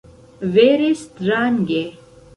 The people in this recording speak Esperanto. Vere strange!